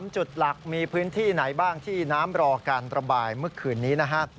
จุดหลักมีพื้นที่ไหนบ้างที่น้ำรอการระบายเมื่อคืนนี้นะฮะ